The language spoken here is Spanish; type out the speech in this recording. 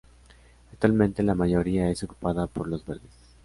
Actualmente la mayoría es ocupada por Los Verdes.